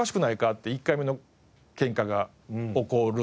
って１回目のケンカが起こるんですよね。